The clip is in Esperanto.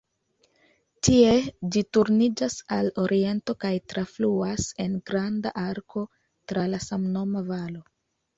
Tie ĝi turniĝas al oriento kaj trafluas en granda arko tra la samnoma valo.